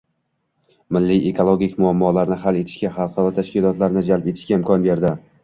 Milliy ekologik muammolarni hal etishga xalqaro tashkilotlarni jalb etishga imkon berdi.